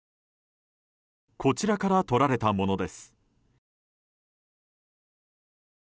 こちらから撮られたものです。